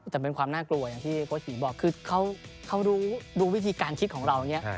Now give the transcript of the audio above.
แต่เป็นความน่ากลัวอย่างที่โค้ชหีบอกคือเขารู้วิธีการคิดของเราอย่างนี้